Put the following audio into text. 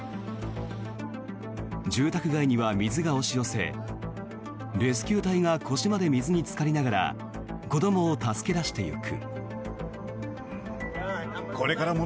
住宅街には水が押し寄せレスキュー隊が腰まで水につかりながら子どもを助け出していく。